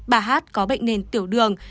bà hát có bệnh nền tiểu đường